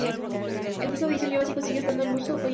El mismo diseño básico sigue estando en uso hoy en día.